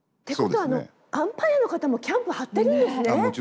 ことはアンパイアの方もキャンプ張ってるんですね。